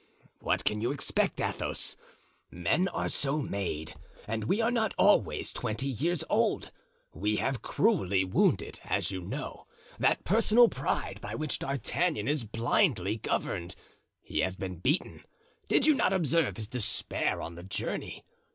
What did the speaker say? "What can you expect, Athos? Men are so made; and we are not always twenty years old. We have cruelly wounded, as you know, that personal pride by which D'Artagnan is blindly governed. He has been beaten. Did you not observe his despair on the journey?